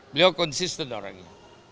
beliau konsisten orangnya